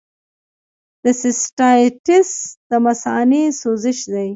د سیسټایټس د مثانې سوزش دی.